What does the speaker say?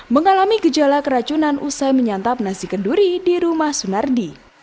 mengalami gejala keracunan usai menyantap nasi kenduri di rumah sunardi